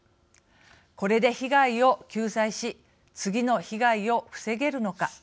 これで被害を救済し次の被害を防げるのか。